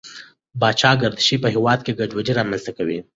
پاچا ګردشي په هېواد کې ګډوډي رامنځته کوي.